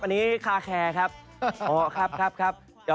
อันนี้คาแครครับอ๋อครับ